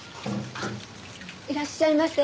いらっしゃいませ。